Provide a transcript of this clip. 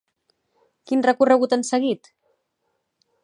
Quin recorregut han seguit?